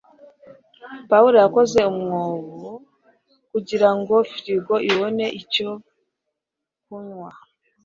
Pawulo yakoze umwobo kugirango frigo ibone icyo kunywa